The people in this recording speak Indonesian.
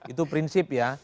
itu prinsip ya